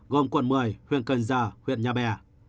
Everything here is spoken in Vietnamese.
gồm quận một mươi huyện cần giờ huyện nhà bè